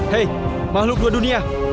hei makhluk dua dunia